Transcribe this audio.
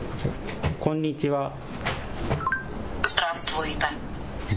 こんにちは。